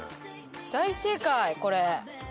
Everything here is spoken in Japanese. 大正解これ。